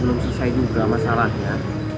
belum selesai juga masalahnya